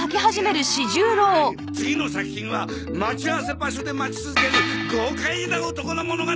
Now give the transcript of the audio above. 次の作品は待ち合わせ場所で待ち続ける豪快な男の物語だ！